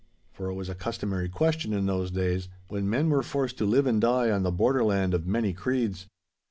For it was a customary question in those days, when men were forced to live and die on the borderland of many creeds.